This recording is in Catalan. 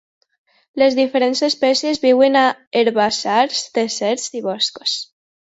Les diferents espècies viuen a herbassars, deserts i boscos.